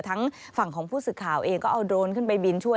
ทั้งฝั่งของผู้สื่อข่าวเองก็เอาโดรนขึ้นไปบินช่วย